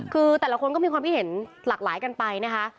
คือแต่ละคนก็มีความคิดเห็นหลากหลายกันไปนะคะ